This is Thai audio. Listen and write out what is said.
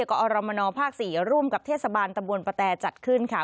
กอรมนภ๔ร่วมกับเทศบาลตะบนปะแต่จัดขึ้นค่ะ